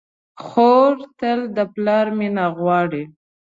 خور تل د پلار مینه غواړي.